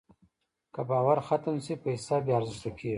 که باور ختم شي، پیسه بېارزښته کېږي.